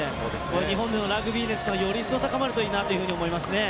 日本のラグビー熱が、より一層高まるといいと思います。